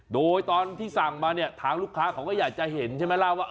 โดยตอนที่สั่งมาเนี่ยทางลูกค้าเขาก็อยากจะเห็นใช่ไหมล่ะว่า